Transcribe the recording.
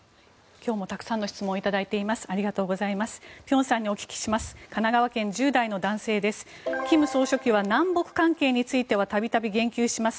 今日もたくさんの質問を頂いています。